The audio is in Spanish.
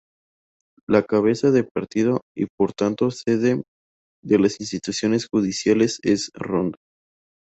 La cabeza de partido y por tanto sede de las instituciones judiciales es Ronda.